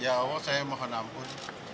ya awal saya mohon ampun